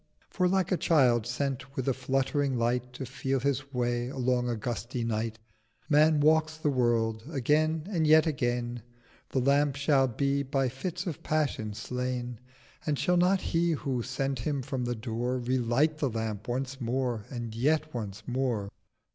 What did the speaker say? For like a Child sent with a fluttering Light To feel his way along a gusty Night Man walks the World: again and yet again The Lamp shall be by Fits of Passion slain: But shall not He who sent him from the Door Relight the Lamp once more, and yet once more?